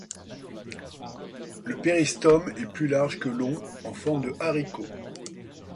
Le péristome est plus large que long, en forme de haricot.